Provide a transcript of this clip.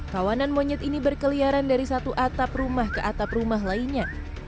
kawanan monyet ini berkeliaran dari satu atap rumah ke atap rumah lainnya